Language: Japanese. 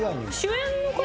主演の方。